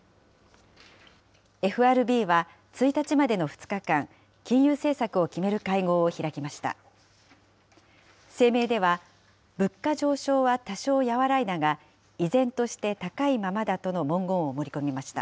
ＦＲＢは、１日までの２日間、金融政策を決める会合を開きました。